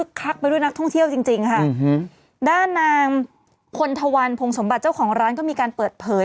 ด้านนางคนทวรผงสมบัติเจ้าของร้านก็มีการเปิดเผย